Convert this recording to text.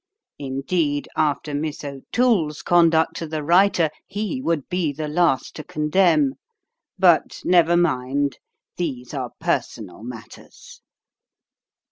Indeed, after Miss O'Toole's conduct to the writer, he would be the last to condemn. But never mind, these are personal matters.